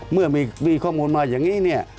เมื่อมีข้อมูลมาอย่างนี้เนี่ย